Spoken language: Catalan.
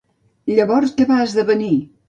Llavors, què va esdevenir?